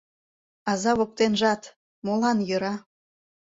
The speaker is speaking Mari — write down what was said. Аза воктенжат, молан йӧра?